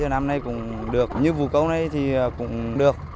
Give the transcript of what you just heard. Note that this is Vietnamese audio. năm nay cũng được như vụ câu này thì cũng được